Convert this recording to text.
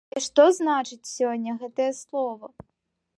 Але што значыць сёння гэта слова?